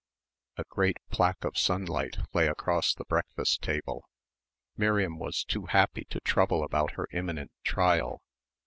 13 A great plaque of sunlight lay across the breakfast table. Miriam was too happy to trouble about her imminent trial.